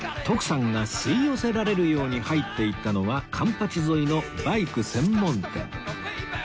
徳さんが吸い寄せられるように入っていったのは環八沿いのバイク専門店